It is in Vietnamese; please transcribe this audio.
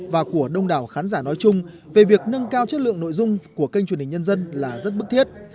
và của đông đảo khán giả nói chung về việc nâng cao chất lượng nội dung của kênh truyền hình nhân dân là rất bức thiết